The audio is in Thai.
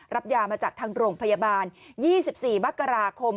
รับยามาจากทางโรงพยาบาล๒๔มกราคม